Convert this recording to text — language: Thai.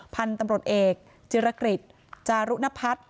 พันธุ์ตำรวจเอกจิรกฤษจารุณพัฒน์